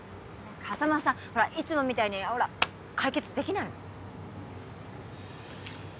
風真さんほらいつもみたいにほら解決できないの？